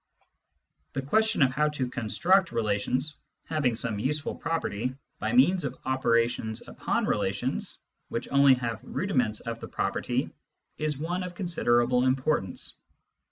The question how to construct relations having some useful property by means of operations upon relations which only have rudiments of the property is one of considerable importance.